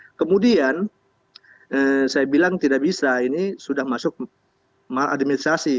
nah kemudian saya bilang tidak bisa ini sudah masuk maladministrasi